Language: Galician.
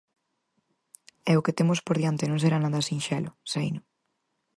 E o que temos por diante non será nada sinxelo, seino.